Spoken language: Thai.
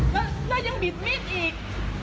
แล้วยังบิดมิดอีก